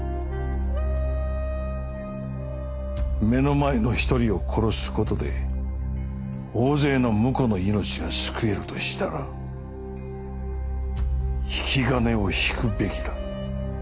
目の前の１人を殺す事で大勢の無辜の命が救えるとしたら引き金を引くべきだ。